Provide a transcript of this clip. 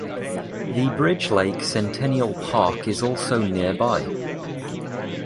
The Bridge Lake Centennial Park is also nearby.